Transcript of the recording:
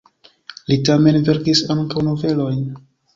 Li tamen verkis ankaŭ novelojn.